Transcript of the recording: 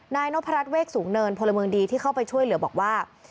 นายนพรัชเวกสูงเนินพลเมืองดีที่เข้าไปช่วยเหลือบอกว่า